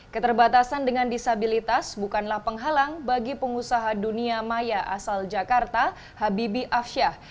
keterbatasan dengan disabilitas bukanlah penghalang bagi pengusaha dunia maya asal jakarta habibie afsyah